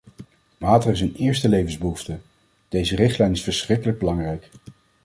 Water is een eerste levensbehoefte, deze richtlijn is verschrikkelijk belangrijk.